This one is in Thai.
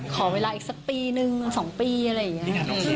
ขอเวลาอีกสักปีนึง๒ปีอะไรอย่างนี้